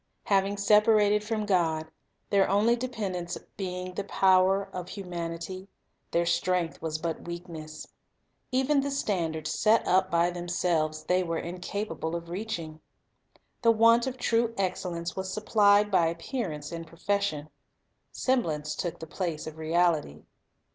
Having separated from God, their only dependence being the power of humanity, their strength was but pretense for weakness. Even the standard set up by themselves they were incapable of reaching. The want of true excellence was supplied by appearance and profession. Semblance took the place of reality.